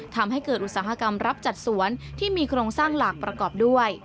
ทำให้เกิดอุตสาหกรรมรับจัดสวนที่มีโครงสร้างหลักประกอบด้วย